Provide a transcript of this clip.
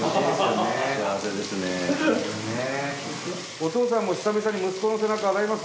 お父さんも久々に息子の背中洗います？